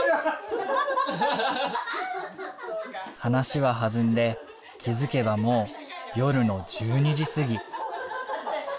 話は弾んで気付けばもう夜の１２時過ぎ。